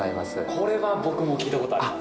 これは僕も聞いたことあります。